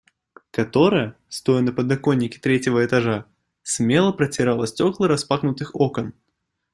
Которая, стоя на подоконнике третьего этажа, смело протирала стекла распахнутых окон.